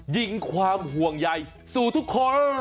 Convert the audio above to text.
ยิงความห่วงใยสู่ทุกคน